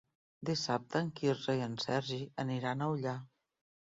Dissabte en Quirze i en Sergi aniran a Ullà.